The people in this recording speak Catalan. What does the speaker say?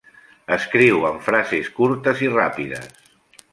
Escriu amb frases curtes i ràpides.